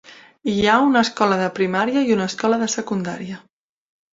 Hi ha una escola de primària i una escola de secundària.